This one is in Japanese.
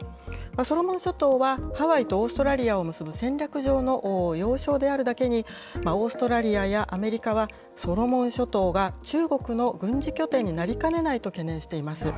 ソロモン諸島は、ハワイとオーストラリアを結ぶ戦略上の要衝であるだけに、オーストラリアやアメリカは、ソロモン諸島が中国の軍事拠点になりかねないと懸念しています。